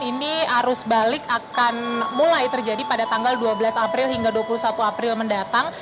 ini arus balik akan mulai terjadi pada tanggal dua belas april hingga dua puluh satu april mendatang